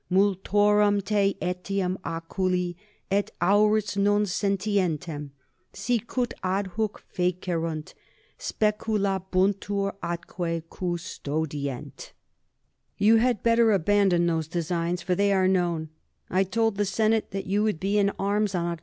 Multorum te etiam oculi et aures non sentientem, sicut adhuc fecerunt, speculabuntur atque custodient. _You had better abandon those designs; for they are known. I told the Senate that you would be in arms on Oct.